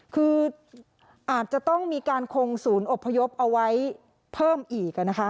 คืออาจจะต้องมีการคงศูนย์อบพยพเอาไว้เพิ่มอีก